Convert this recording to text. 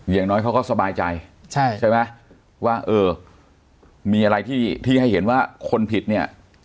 อย่างน้อยเขาก็สบายใจใช่ไหมว่าเออมีอะไรที่ให้เห็นว่าคนผิดเนี่ย